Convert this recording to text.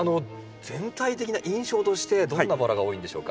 全体的な印象としてどんなバラが多いんでしょうか？